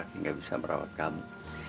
kakek nggak bisa merawat kamu